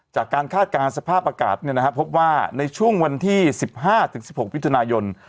จากการคาดการณ์สภาพอากาศเนี่ยนะครับพบว่าในช่วงวันที่๑๕๑๖วิทยุนายน